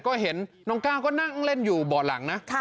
ก็เห็นน้องก้าวก็นั่งเล่นอยู่บ่อหลังนะ